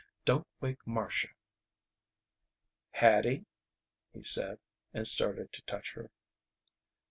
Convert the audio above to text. "Don't wake Marcia." "Hattie " he said, and started to touch her.